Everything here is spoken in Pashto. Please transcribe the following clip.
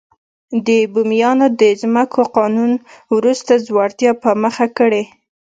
د بومیانو د ځمکو قانون وروسته ځوړتیا په مخه کړې.